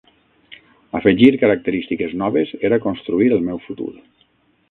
Afegir característiques noves era construir el meu futur.